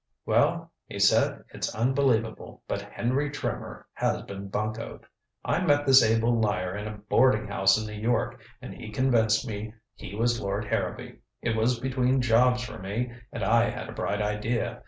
"Well," he said, "it's unbelievable, but Henry Trimmer has been buncoed. I met this able liar in a boarding house in New York, and he convinced me he was Lord Harrowby. It was between jobs for me, and I had a bright idea.